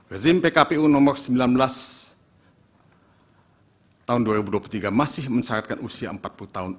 rezim pkpu nomor sembilan belas tahun dua ribu dua puluh tiga masih mensyaratkan usia empat puluh tahun